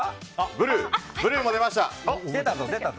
ブルーも出ました。